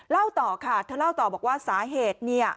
เล่าต่อค่ะเธอเล่าต่อบอกว่าสาเหตุเนี่ย